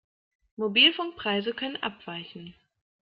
Mobilfunkpreise können abweichen.